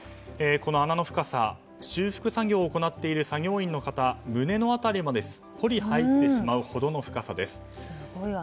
穴の深さ、修復作業を行っている作業員の方の胸の辺りまですっぽり入ってしまうほどの深さです。